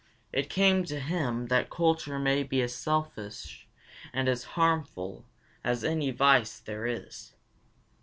It came to him that culture may be made as selfish and as harmful as any vice there is.